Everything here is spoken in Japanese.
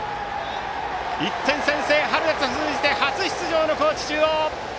１点先制、春夏通じて初出場の高知中央！